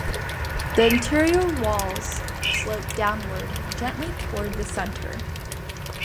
The interior walls slope downward gently toward the center.